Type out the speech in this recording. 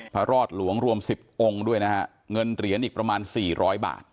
พระรอดหลวงรวม๑๐องค์ด้วยนะฮะเงินเหรียญอีกประมาณ๔๐๐บาท